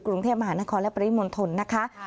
กรุงเทพมหานครและปริมณฑลนะคะ